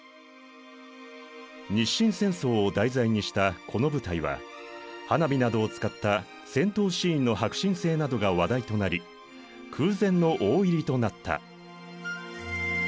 日清戦争を題材にしたこの舞台は花火などを使った戦闘シーンの迫真性などが話題となり空前の大入りとなった。